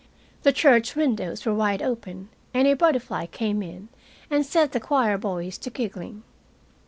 The church windows were wide open, and a butterfly came in and set the choir boys to giggling.